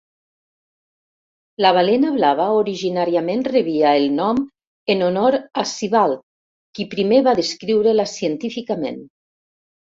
La balena blava originàriament rebia el nom en honor a Sibbald, qui primer va descriure-la científicament.